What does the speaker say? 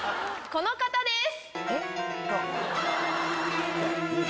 この方です！